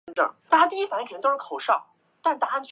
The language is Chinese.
乐团演奏柴可夫斯基及肖斯塔科维奇的作品最为著名。